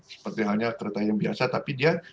seperti halnya kereta yang biasa tapi dia